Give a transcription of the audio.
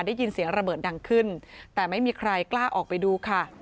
ได้ยินเสียงระเบิดดังขึ้นแต่ไม่มีใครกล้าออกไปดูค่ะ